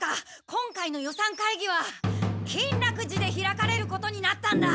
今回の予算会議は金楽寺で開かれることになったんだ！